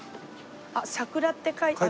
あっさくらって書いてある。